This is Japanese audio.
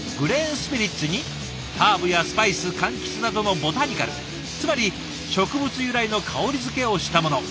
スピリッツにハーブやスパイス柑橘などのボタニカルつまり植物由来の香りづけをしたもの。